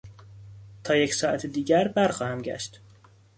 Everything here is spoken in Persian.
تا یک ساعت دیگر برخواهم گشت.